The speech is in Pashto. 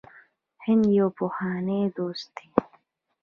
هند یو پخوانی دوست دی.